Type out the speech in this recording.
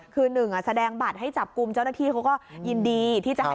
คือหนึ่งแสดงบัตรให้จับกลุ่มเจ้าหน้าที่เขาก็ยินดีที่จะให้